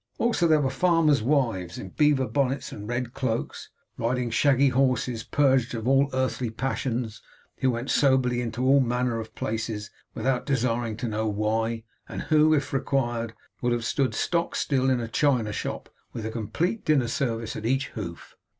Also there were farmers' wives in beaver bonnets and red cloaks, riding shaggy horses purged of all earthly passions, who went soberly into all manner of places without desiring to know why, and who, if required, would have stood stock still in a china shop, with a complete dinner service at each hoof.